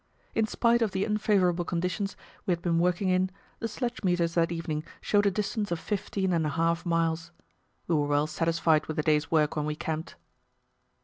In spite of the unfavourable conditions we had been working in, the sledge meters that evening showed a distance of fifteen and a half miles. We were well satisfied with the day's work when we camped.